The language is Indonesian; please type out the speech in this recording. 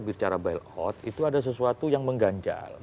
bil out itu ada sesuatu yang mengganjal